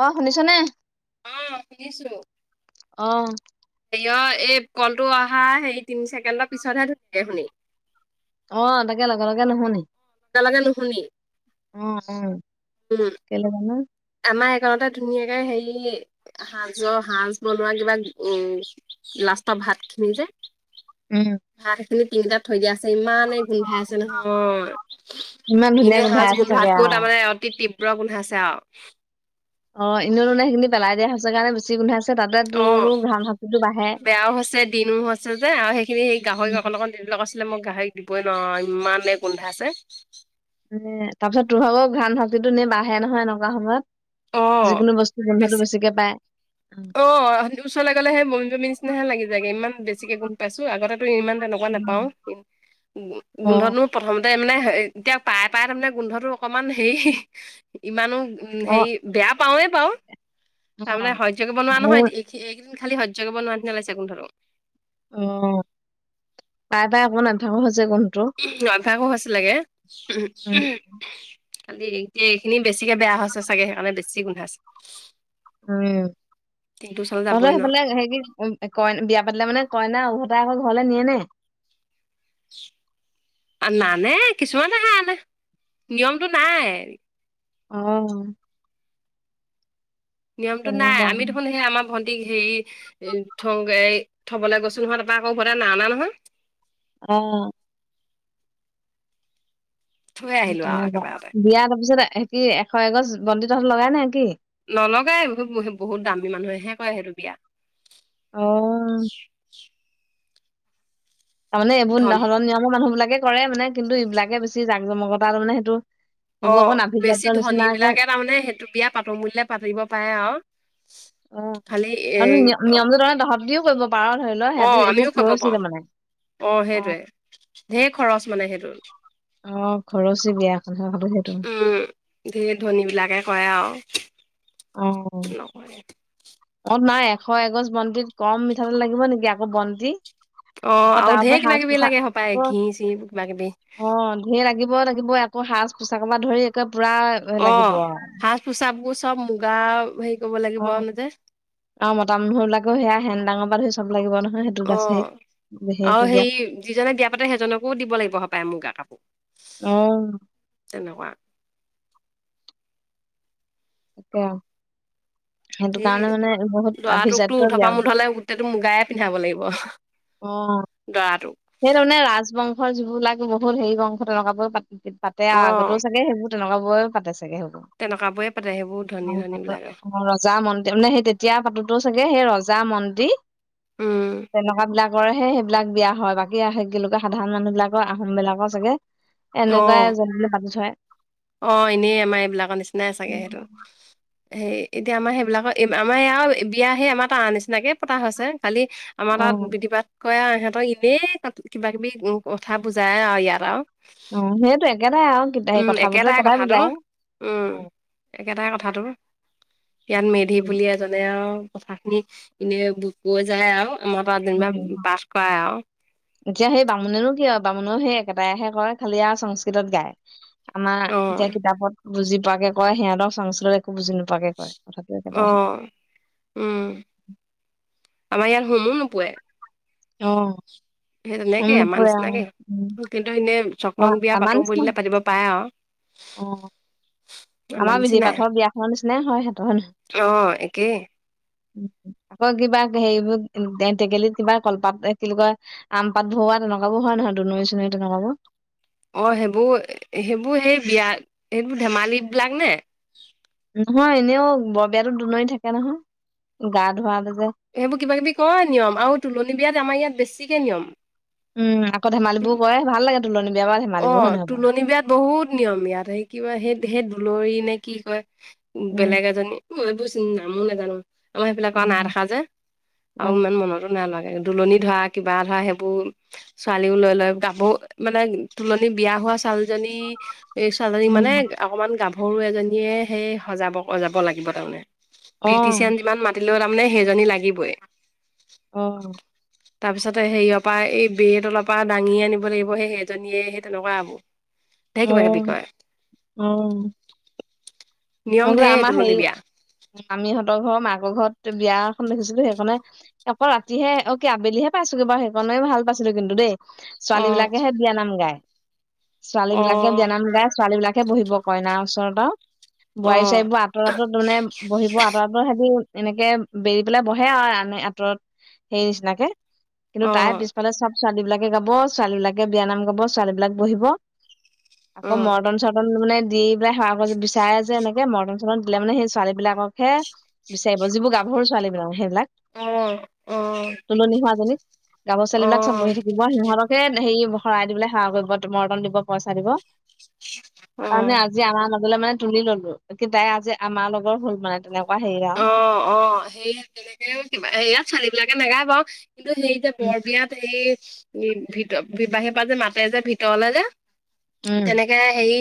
অ শুনিছনে অ শুনিছো অ হয় এই কলটো অহা হেৰি তিনি ছেকেণ্ডৰ পিছতহে থাকে শুনি অ তাকে লগে লগে নুশুনি একেলগে নুশুনি অ অ উম আমাৰ একে লগতে হেৰি ধুনীয়াকে হেৰি সাজৰ সাজ বনোৱা কিবা উম লাষ্টৰ ভাতখিনি যে উম ভাত এখিনি টিং এটাত থৈ দিয়া আছে ইমানেই গোন্ধাই আছে নহয় ইমান ধুনীয়া এনেই গোন্ধাই সাজ আছে গোন্ধোৱাত চাগে কৈ আও। তাৰমানে অতি তীব্ৰ গোন্ধাইছে আও [inaudible] সেইখিনি পেলাই দিয়া হৈছে কাৰণে বেছি গোন্ধাইছে তাতে অ তোৰো ঘ্ৰাণ শক্তিটো বাঢ়ে। বেয়াও হৈছে দিনো হৈছে যে আৰু সেইখিনি সেই উম গাহৰিক অকণ অকণ দিব কৈছিলে মই গাহৰিক দিবই নোৱাৰ আও ইমানেই গোন্ধাইচে এ তাৰপিছত তোৰ ভাগৰ ঘ্ৰান শাক্তিটো এনে বাঢ়ে নহয় এনেকুৱা সময়ত অ', যিকোনো বস্তু বেছি গোন্ধটো বেছিকে পায় এইবোৰৰ ওচৰলে গলে হে বমি বমি নিচিনাহে লাগি যায়গৈ ইমান বেছিকে গোন্ধ পাইছো আগতেতো ইমান তেনেকুৱা নেপাও অ গোন্ধতো প্ৰথমতে মানে এতিয়া পায় পায় তাৰমানে গোন্ধটো অকমান হেৰি ইমানো উম অ হেৰি বেয়া পাওয়ে বাও অ তাৰমানে সহ্য কৰিব নোহোৱা ঘৰ নহয়। এইকেইদিন খালি সহ্য কৰিব নোৱাৰা নিচিনা হৈছে গোন্ধটো। অ পায় পায় অকনমান অভ্যাসও হৈছে গৈ অভ্যাসো হৈছিলে গে উম খালি এতিয়া এইখিনি বেছিকে বেয়া হৈছে চাগে সেইকাৰণে, বেছি গোন্ধাইছে। উম, দিনটো ওচৰলৈ তহঁতৰ যাবই নোৱাৰো সেইফালে হেৰি উ কইনা বিয়া পাতিলে মানে কইনা উভতায় আকৌ ঘৰলে নিয়ে নে? নানে কিছুমানেহে আনে, নিয়মতটো নাই। অ'। নিয়মতটো নাই তেনেকুৱা আমি দেখোন সেই আমাৰ ভন্টী ক হেৰী থ-থবলৈ গৈছোঁ নহয় তাৰপা আকৌ উভতাই নাই অহা নহয়। অ'। থৈ আহিলো আৰু তেনেকুৱা একেবাৰতে বিয়া তাৰপিচত হে কি এশ এগছ বন্তি তহঁতৰ লগাই নে কি? নলগাই বহুত দামী মানুহে হে কৰে সেইটো বিয়া। অ'। তাৰ মানে এইবোৰ ধন [unintelligible] নিয়মৰ মানুহ বিলাকে কৰে মানে কিন্তু এইবিলাকে বেছি জাকজমকতাটো মানে সেইটো সেইবোৰ অ', আকৌ নাভি বেছি জাতৰ নিচিনাকে ধনীবিলাকে তাৰমানে সেইটো বিয়া পাটো বুলিলে পাতিব পাৰে আৰু। খালি এই তহতদিও কৰিব পাৰ ধৰি লোৱা অ', আমিও কৰিব পাৰো অ', অ সেইটোৱে ঢেৰ খৰচ মানে সেইটো। অ', খৰচয়ে বিয়া হয় [unintelligible] সেইটো। উম, ধেৰ ধনীবিলাকে কৰে আৰু। অ'। নকৰে অ', নাই এশ এগছ বন্তিত কম মিঠাতেল লাগিব নেকি, আকৌ বন্তি। অ', আকৌ আৰু তাৰ উপৰি ঢেৰ কিবা সাজ কিবি পোছাক লাগে সপায় ঘি চি কিবা কিবি। ঘি লাগিবই লাগিবই আকৌ সাজ পোছাকৰ পৰা ধৰি একে পুৰা এ অ', লাগিব আৰু সাজ পোছাকবোৰ চব মুগা হেৰি কৰিব অ লাগিব যে। আৰু মতা মানুহ বিলাকো সেয়া হেন ডাঙৰ পৰা ধৰি চব লাগিব নহয়। বাছেৰিত অ', সেইটো আৰু বিয়াত হেৰি যিজনে বিয়া পাতে সেইজনকো দিব লাগিব সপায় মুগা কাপোৰ। অ'। তেনেকুৱা। [unintelligible] সেইটো সেই কাৰণে, মানে বহুত দৰাটোকতো আভিজাত্য উধৰ পৰা বিয়া। মুধলে গোটেইটো মুগায়ে পিন্ধাব লাগিব। অ'। দৰা টো। সেই তাৰমানে ৰাজ বংশৰ যিবিলাক বহুত হেৰি বংশধৰ তেনেকুৱা বোৰে পাতে আৰু অ'। আগতেও চাগে সেইবোৰ তেনেকুৱা বোৰে পাতে চাগে হেইবোৰ। তেনেকুৱা বোৰে পাতে সেইবোৰ ধনী ধনী বিলাকে। ৰজা মন্ত্ৰী মানে সেই তেতিয়া পাটোতেও চাগে সেই ৰজা মন্ত্ৰী উম, তেনেকুৱা বিলাক কৰহে সেইবিলাক বিয়া হয়, বাকী সেই কি বুলি কয় সাধাৰণ মানুহ বিলাকৰ আহোম বিলাকৰ চাগে অ'। এনেকুৱাই যেন তেন পাতি থয়। অ', এনেই আমাৰ এইবিলাকৰ নিচিনাই চাগে সেইটো। [inaudible] সেই এতিয়া আমাৰ সেইবিলাকৰ আমাৰ এওঁ বিয়া হে আমাৰ তাৰ নিচিনাকে পতা হৈছে খালি আমাৰ তাত বিধি পাত কৰে আৰু ইহঁতক এনেই ক কিবা কিবি কথা বুজাই আৰু ইয়াত আৰু। অ', সেইটো একেতাই আৰু সেই উম, কথাবতৰা একেটাই কথাটো উম, একেটাই কথাটো ইয়াত মেধি উম, বুলি এজনে আৰু কথা খিনি এনেই কৈ যায় আৰু আমাৰ তাত যেনিবা উম। পাঠ কৰাই আৰু। এতিয়া সেই বামুনেনো কি আওঁ বামুণৰ সেই একেটাইহে কয় খালি আৰু সংস্কৃতত গায়। আমাৰ অ', এতিয়া কিতাপত বুজি পোৱাকে কয়, সিহঁতৰ সংস্কৃত। একো বুজি নোপোৱাকৈ কয় কথাটো একেটাই। অ', উম। আমাৰ ইয়াত হোমো নোপোয়ে। অ। সেই মন তেনেকে আমাৰ নপৰে আৰু নিচিনাকে, উম কিন্তু এনেই অ চককলং বিয়া আমাৰ পাতো নিচিনা বুলিলে পাতিব পাৰে আৰু অ। আমাৰ বিধি পাঠৰ বিয়াখনৰ নিচিনাই হয় সিহঁতৰ। অ', একেই। মই কিবা হেৰিবোৰ টেনকেলিত কিবা কলপাত এ কি বুলি কয়। আম পাত ভওৱা তেনেকুৱাবোৰ হয় নহয় দোলনি চোলনি তেনেকুৱাবোৰ। অ সেইবো সেইবোৰ সেই বিয়া সেইবোৰ ধেমালি বিলাক নে? নহয় এনেও বৰ বিয়াতো দোলনি থাকে নহয়, গা- ধোৱাটো যে। সেইবোৰ কিবা-কিবি কয় নিয়ম আৰু তুলনী বিয়াত আমাৰ ইয়াত বেছিকে নিয়ম। উম, আকৌ ধেমালিবোৰ কৰে ভাল লাগে তুলনি বিয়াত। অ, তুলনি বিয়াত বহুত নিয়ম ইয়াত সেই কি কয় সেই সেই দুলৰি নে কি কয়। উম বেলেগ এজনী মই এইবোৰ চিনি নামো নাজানো। মই বিলাক আৰু নাই উম দেখা যে আৰু উম ইমান মনত। নালাগে দুলনি ধৰা কিবা ধৰা সেইবোৰ ছোৱালীও লৈ লৈ গাবোও মানে। তুলনি বিয়া হোৱা ছোৱালীজনী এই ছোৱালীজনীক মানে। উম, অকমান গাভৰু এজনীয়ে সেই সজাব-কজাব লাগিব তাৰমানে অ বিউটিচিয়ান যিমান মাত। তাৰমানে সেইজনী লাগিবই। অ। তাৰপিছতে হেৰিয়ৰ পৰা এই বেই তলৰ পৰা দাঙি আনিব লাগিব সেই সেইজনীয়ে সেই তেনেকুৱা হেবো। অ, অ। নিয়ম ঢেৰ আমাৰ তুলনি বিয়া হেৰি মামিহঁতৰ ঘৰৰ মাকৰ ঘৰত বিয়া এখন দেখিছিলো সেইখনে। আকৌ ৰাতিহে অ কি আবেলিহে পাইছোগে বাও সেইকনে ভাল পাইছিলো কিন্তু দেই। ছোৱালী বিলাকেহে বিয়ানাম গায়, ছোৱালী বিলাকে বিয়ানাম গায় ছোৱালী বিলাক। বহিব কইনাৰ ওচৰত আও বোৱাৰী-চোৱাই বো। আঁতৰ-আতত যোনে বহিব আঁতৰ-আতত সিহতি এনেকে বেৰি পেলাই বহে আও আনে আঁতৰত। হেই নিচিনাকে। কিন্তু তাই পিছফালে চব ছোৱালী বিলাকে গাব, ছোৱালী বিলাকে বিয়া নাম গাব, ছোৱালী বিলাক বহিব। আকৌ মৰ্টন-চৰ্টন মানে দি পেলাই সেৱা কৰিব বিচাৰে। এনেকে মৰটন-চৰটন দিলে মানে সেই ছোৱালী বিলাককহে বিচাৰিব যিবোৰ গাভৰু ছোৱালী বিলাক সেইবিলাক। অ, অ। তুলনি হোৱা জনীক গাভৰু ছোৱালীবিলাক চব বহি থাকি। সিহঁতকে হেৰি শৰাই দিবলৈ সেৱা কৰিব মৰটন দিব, পইচা দিব। মানে আজি আমাৰ মাজলে মানে তুলি ললো। তাই আজি আমাৰ লগৰ হ'ল মানে তেনেকুৱা হেৰি। আৰু অ, অ, হেৰি তেনেকে কিবা ইয়াত ছোৱালী বিলাকে নাগায় বাও। কিন্তু সেই যে উম বৰ বিয়াত সেই ভিত বিবাহীৰ পৰা যে মাতে যে ভিতৰলে যে। উম তেনেকে হেই।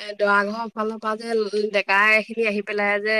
এ দৰা ঘৰৰ ফালৰ পৰা যে ডেকাই এখিনি আহি পেলাই যে।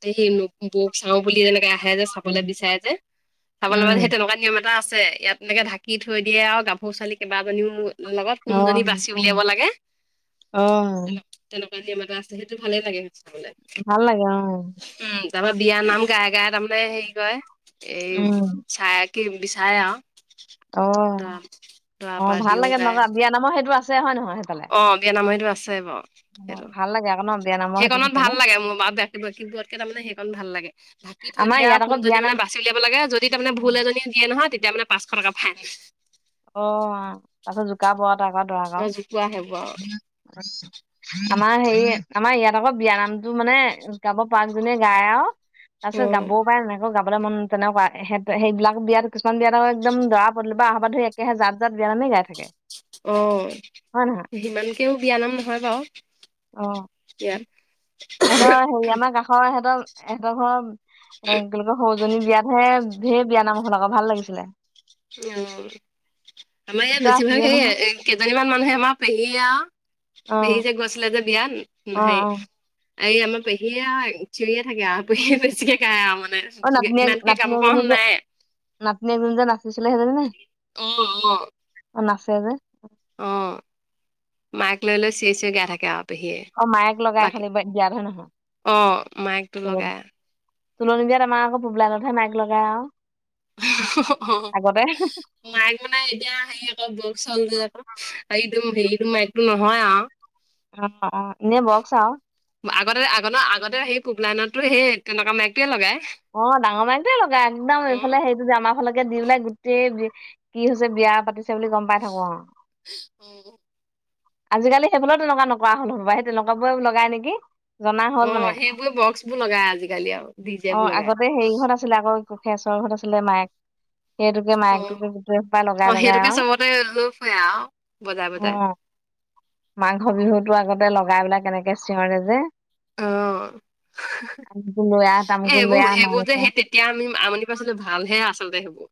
হেই বৌক চাও বুলি যেনেকে আহে যে, চাবলৈ উম, বিচাৰে যে, চাবলৈ সেই উম, তেনেকুৱা নিয়ম। এটা আছে ইয়াত এনেকে ঢাকি থৈ দিয়ে আও গাভৰু ছোৱালী কেইবাজনীও। লগত কোনজনী অ', বাচি অ', উলিয়াব লাগে অ', তেনে তেনেকুৱা নিয়ম এটা আছে সেইটো ভালেই লাগে স চাবলে। ভাল লাগে অ। উম, তাৰ বিয়াৰ নাম গাই-গাই তাৰমানে হেৰি কৰে উম, এই চায়াকে বিছাইয়ে। অ, অ, ভাল লাগে নু গাই আকৌ বিয়া নামৰ সেইটো আছে হয় নহয়? সেইফালে? অ, বিয়া নাম হেটো আছে বাৰু। অ', সেইটো ভাল লাগে আক ন বিয়া না সেইকণত ভাল লাগে মোৰ বা-বাকী বোৰতকে তাৰমানে সেইকণ ভাল লাগে। ঢাকি থৈ আমাৰ দয়ে আৰু ইয়াত আকৌ কোনজনী বিয়া মানে নাম বাচি উলিয়াব লাগে যদি তাৰমানে ভুল এজনী দিয়ে নহয় তেতিয়া মানে পাঁচশ টকা ফাইন। অ, তাৰপিছত জোকাব আৰু তাক আৰু দৰাক আও কোৱাহে বোৱা আৰু। [inaudible] আমাৰ হেৰি আমাৰ ইয়াত আকৌ বিয়া নামটো মানে গাব পাৰা গূজনীয়ে গায় আৰু তাৰ পিছত অ গাবও পাৰে নাই গাবলৈ মন তেনেকুৱা সেহ সেইবিলাক বিয়াত কিছুমান বিয়াত আক একদম দৰা পদুলিপা আহা পা ধৰি হেয়া জাত জাত বিয়া নামেই গাই থাকে। অহ হয় নহয়? সীমানকেও বিয়া নাম নহয় বাৰু অ য়াত ইহঁতৰ হেৰি আমাৰ কাষৰ এহঁতৰ এহঁতৰ ঘৰৰ এ কি এই সৰুজনী বিয়াতহে ঢেৰ বিয়া নাম হ'ল আকৌ ভাল লাগিছিলে [unintelligible] আমাৰ ইয়াত তই বেছিভাগ আছিলিয়ে নহয় সেই কেইজনীমান মানুহে আমাৰ পেহীয়ে আ অ পেহী যে গছিলে যে বিয়াত অ সেই অ এই আমাৰ পেহীয়ে আৰু চিঞৰিয়ে থাকে আৰু পেহীয়ে বেছিকে গাই আৰু মানে অ নাতিনীয়েক ইমানকে নাতিনী গাম প এজনী যে নাই। নাতিনী এজনী যে নাচিছিলে, সেইজনী নে অ অ অ নাচে যে অ মাইক লৈ লৈ চিঞৰি চিঞৰি গাই থাকে আৰু পেহীয়ে অ মায়েক লগাই বা খালি বিয়াত হয় নহয় অ মাইকটো তোলনি লগাই তোলনি বিয়াত আমাৰ আকৌ পবলাই নঠে মাইক লগাই আৰু [unintelligible] আগতে মাইক মানে এতিয়া হেৰি আকৌ বক্স চাউণ্ডটো আকৌ যে এই হেৰিটো মাইকটো নহয় আৰু অ অ এনে বক্স চাউণ্ড আগতে আগ আগতে সেই পুবলা নাটতো সেইয়ে তেনেকুৱা মাইকটোৱে লগায়। অ ডাঙৰ মাইকটোৱে লগাই একদম এইফালে হেৰি যে আমাৰ ফালেকে দি পেলাই গোটেই কি হৈছে বিয়া পাতিছে বুলি গম পাই থাকো অ উম আজিকালি সেইবোৰও তেনেকুৱা নকৰে হল ন'বা সেই তেনেকা বোৰে লগাই নেকি জনা হ'ল অ মানে সেইবোৰ বক্সবোৰ লগাই আজিকালি আৰু ডি জে অ বোৰ লগাই আগতে হেৰি ঘৰত আছিলে আকৌ কোখীয়াচৰৰ ঘৰত আছিলে মায়েক সেইটোকে অ মায়কটোকে গোটেই সোপা অ', লগাই লগাই সেইটোকে আউ চবতে লৈ ফুৰে আৰু বজাই বজাই অ মাঘ বিহুতো আগতে লগাই পেলাই কেনেকে চিঞৰে যে অ', আমোক টো লৈ আহ তামকটো আহ মাংস এতিয়া আমি আমনি পাইছিলোঁ, ভালহে আচলতে সেইবোৰ।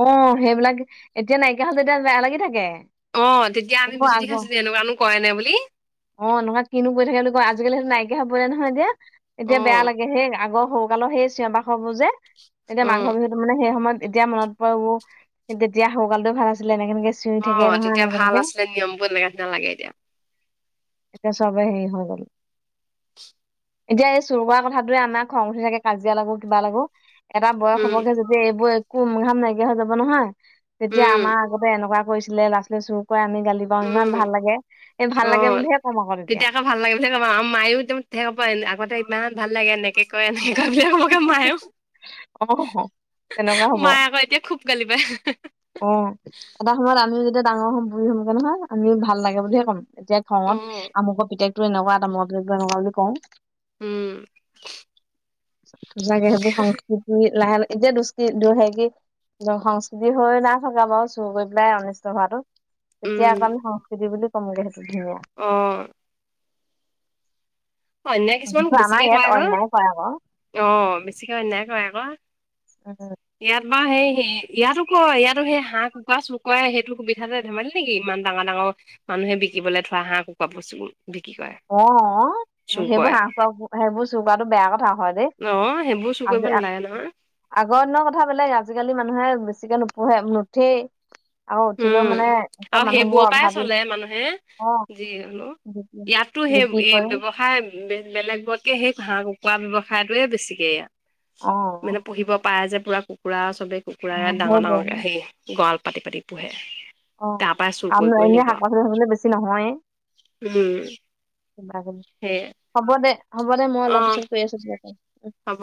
অ' সেইবিলাক এতিয়া নাইকিয়া হ'ল যেতিয়া, বেয়া লাগি থাকে। অ' তেতিয়া আমি আকৌ বিজুদি আগৰ খাইছিলো এনেকুৱানো কৰে নে বুলি। অ' নহয় কিনো কৰি থাকে বুলি কয়। আজিকালি সেইটো নাইকিয়া হবৰে নহয় এতিয়া। এতিয়া বেয়া অ', লাগে সেই আগৰ স কালৰ সেই চিঞৰ-বাখৰবোৰ যে, এতিয়া উম, মাঘৰ বিহুটো মানে সেই সময়ত এতিয়া মনত পৰে ও, তেতিয়া সৰুকালতে ভাল আছিলে এনেকে কেনেকে অ' তেতিয়া ভাল আছিলে নিয়মবোৰ এনেকা [unintelligible] লাগে। এতিয়া এতিয়া চবেই হেৰি হৈ গ'ল। এতিয়া এই চুৰ কৰা কথাটোৱে আমাক খং উঠি থাকে। কাজিয়া লাগো, কিবা লাগো। এটা বয়স উম, হ'বগে যেতিয়া এইবোৰ একো উম-ঘাম নাইকিয়া হৈ যাব নহয়। তেতিয়া উম, আমাৰ আগতে এনেকুৱা কৰিছিলে, ল'ৰা-ছোৱালীয়ে চুৰ কৰে আমি গালি বা ইমান উম, ভাল লাগে, এই ভাল লাগে অ', বুলিহে তেতিয়া আকৌ ভাল লাগে বুলি কব। আৰু মায়ো [unintelligible] আগতে ইমান ভাল লাগে এনেকে কয় এনেকে কয় [unintelligible] অ তেনেকুৱা হব মায়ে আকৌ এতিয়া খুব গালি পাৰে। অ' এটা সময়ত আমিও যেতিয়া ডাঙৰ হম, বুঢ়ী হমগে নহয়, আমিও ভাল লাগে বুলিহে কম। এতিয়া খঙত অ', আমুকৰ পুতেকটো এনেকুৱা, তামুকৰ পুতেকটো এনেকুৱা বুলি কওঁ। উম। সঁচাকে সেইবোৰ সংস্কৃতি লাহে - লা- এতিয়া [unintelligible] [unintelligible] সংস্কৃতি হৈ নাই থকা বাৰু, চুৰ কৰি পেলাই অনিষ্ট হোৱাটো। তেতিয়া উম, আকৌ আমি সংস্কৃতি বুলি ক'মগে সেইটো ধুনীয়া। অ'। অন্যায় কিছুমান কিন্তু আমাৰ বেছিকে ইয়াত কৰে অন্যায় কৰে আকৌ আক'। অ' বেছিকে অন্যায় কৰে আক'। [unintelligible] ইয়াত বাৰু সেই হেই- ইয়াতো কয়। ইয়াতো সেই হাঁহ-কুকুৰা চুৰ কৰা সেইটো সুবিধাতে ধেমালি নেকি ইমান ডাঙৰ - ডাঙৰ মানুহে বিকিবলৈ থোৱা হাঁহ- কুকুৰাবোৰ চুৰ বিক্ৰী কৰে। অ'। চুৰ সেইবোৰ কৰে। হাঁহ-কুকুৰা- সেইবোৰ চুৰ কৰাটো বেয়া কথা হয় ৰে। অ', সেইবোৰ চুৰ কৰিব আজি আ নালাগে নহয় আগৰ দিনৰ কথা বেলেগ। আজিকালি মানুহে বেছিকে নুপুহে নুঠেই আকৌ উঠিলেও মানে উম'। চব আৰু মানুহবোৰ সেইবোৰৰ পৰাই অভাৱী চলে মানুহে, অ যি হ'লেও। ইয়াত তো সেই- বিক্ৰী এই কৰে ব্যৱসায় বেলেগতকৈ সেই হাঁহ- কুকুৰা ব্যৱসায়টোৱে বেছিকে ইয়াত। অ মানে পুহিব পাৰে যে পুৰা কুকুৰা, চবেই কুকুৰা অ ডাঙৰ - সেইটোৱে ডাঙৰকে হে গড়াল পাতি-পাতি পোহে। তাৰ পৰাই চুৰ অ' আ [unintelligible] কৰি লে কৰি নিব শাক -পাচলি খাবলৈ বেছি নহয়ে। উম, কিবা কিবি সেয়ে। হ'ব দে, হ'ব দে, মই অ অলপ পিছত কৰি আছোঁ [inaudible] হ'ব।